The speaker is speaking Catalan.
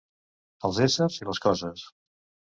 Els éssers i les coses.